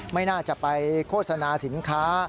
ไม่น่าจะไปโฆษณาสินค้า